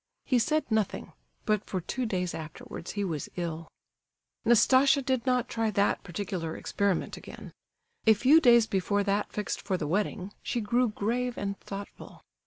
He said nothing, but for two days afterwards he was ill. Nastasia did not try that particular experiment again. A few days before that fixed for the wedding, she grew grave and thoughtful.